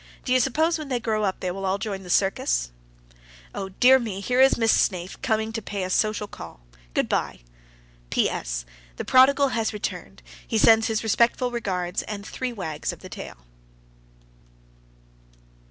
Do you suppose when they grow up they will all join the circus? Oh, dear me, here is Miss Snaith, coming to pay a social call. Good by. S. P.S. The prodigal has returned. He sends his respectful regards, and three wags of the tail.